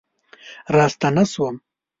راستنه شوم